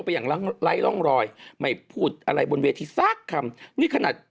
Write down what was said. ไปอย่างล้างล้ายล้องรอยไม่พูดอะไรบนเวทีซากคำนี่ขนาด